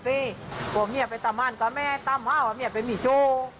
ผมอยากไปตามมันก็ไม่ตามมาผมอยากไปมีโจ